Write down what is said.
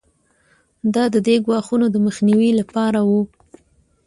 دا د دې ګواښونو د مخنیوي لپاره وو.